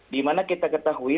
di mana kita ketahui